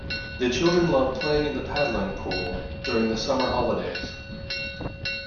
The children loved playing in the paddling pool during the summer holidays